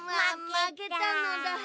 まけたのだ。